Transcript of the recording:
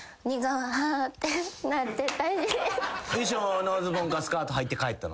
衣装のズボンかスカートはいて帰ったの？